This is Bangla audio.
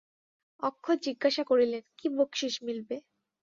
অক্ষয় জিজ্ঞাসা করিলেন, কী বকশিশ মিলবে?